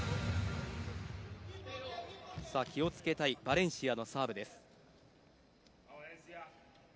気をつけたいバレンシアのサーブです。